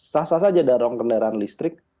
sah sah saja dorong kendaraan listrik